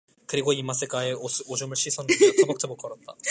그리고 이맛 가의 오줌을 씻어 내며 터벅 터벅 걸었다.